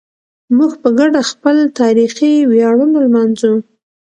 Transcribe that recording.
موږ په ګډه خپل تاریخي ویاړونه لمانځو.